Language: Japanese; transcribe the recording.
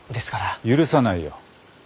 許さないよ。